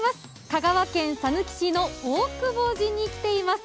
香川県さぬき市の大窪寺に来ています。